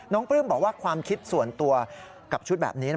ปลื้มบอกว่าความคิดส่วนตัวกับชุดแบบนี้